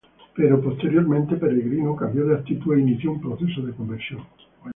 Pero posteriormente, Peregrino cambió de actitud e inició un proceso de conversión.